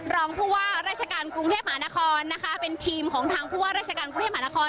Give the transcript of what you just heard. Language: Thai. รองผู้ว่าราชการกรุงเทพมหานครนะคะเป็นทีมของทางผู้ว่าราชการกรุงเทพมหานคร